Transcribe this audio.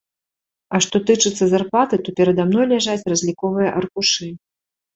А што тычыцца зарплаты, то перада мной ляжаць разліковыя аркушы.